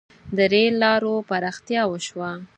• د رېل لارو پراختیا وشوه.